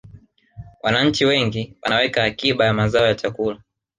wananchi wengi wanaweka akiba ya mazao ya chakula